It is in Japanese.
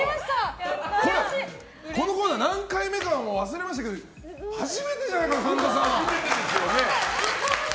このコーナー何回目か忘れましたけど初めてじゃないかな、神田さん。